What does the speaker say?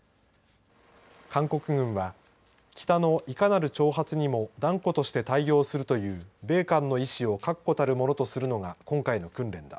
韓国軍は北のいかなる挑発にも断固として対応するという米韓の意志を確固たるものとするのが今回の訓練だ。